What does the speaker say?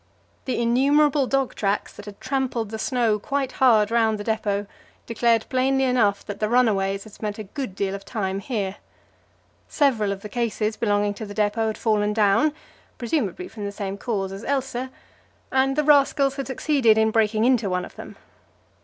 The innumerable dog tracks that had trampled the snow quite hard round the depot declared plainly enough that the runaways had spent a good deal of time here. Several of the cases belonging to the depot had fallen down, presumably from the same cause as Else, and the rascals had succeeded in breaking into one of them.